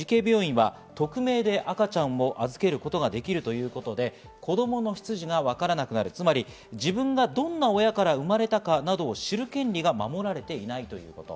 匿名で赤ちゃんを預けることができるということで子供の出自がわからなくなる、つまり自分がどんな親から生まれたかなどを知る権利が守られていないということ。